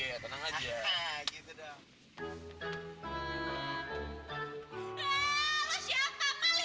iya tenang aja